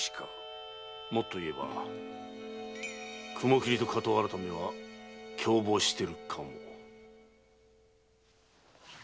もっと言えば雲切と火盗改は共謀してるのかも。